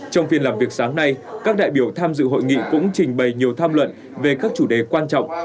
trong phiên làm việc sáng nay các đại biểu tham dự hội nghị cũng trình bày nhiều tham luận về các chủ đề quan trọng